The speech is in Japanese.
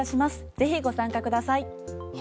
ぜひご参加ください。